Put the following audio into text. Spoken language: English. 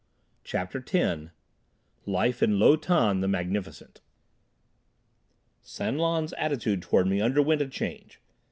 CHAPTER X Life in Lo Tan, the Magnificent San Lan's attitude toward me underwent a change.